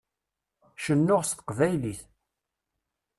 Cennuɣ s teqbaylit.